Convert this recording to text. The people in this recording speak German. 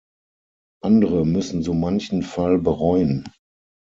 Andere müssen so manchen Fall bereuen.